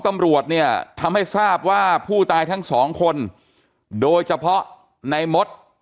ตำรวจเนี่ยทำให้ทราบว่าผู้ตายทั้งสองคนโดยเฉพาะในมด